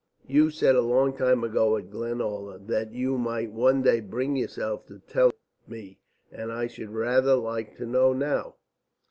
You said a long time ago at Glenalla that you might one day bring yourself to tell it me, and I should rather like to know now.